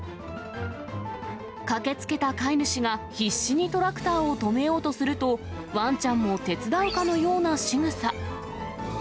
駆けつけた飼い主が必死にトラクターを止めようとすると、ワンちゃんも手伝うかのようなしぐさ。